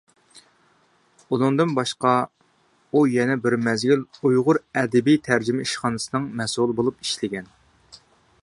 ئۇنىڭدىن باشقا، ئۇ يەنە بىر مەزگىل ئۇيغۇر ئەدەبىي تەرجىمە ئىشخانىسىنىڭ مەسئۇلى بولۇپ ئىشلىگەن.